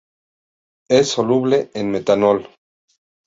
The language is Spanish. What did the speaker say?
Es soluble en metanol.